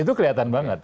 itu kelihatan banget